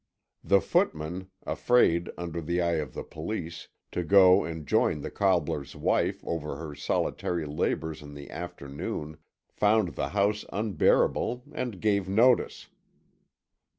The footman, afraid, under the eye of the police, to go and join the cobbler's wife over her solitary labours in the afternoon, found the house unbearable and gave notice.